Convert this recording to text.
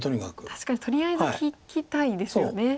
確かにとりあえず聞きたいですよね